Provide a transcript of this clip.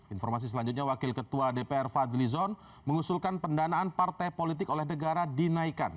informasi selanjutnya wakil ketua dpr fadli zon mengusulkan pendanaan partai politik oleh negara dinaikkan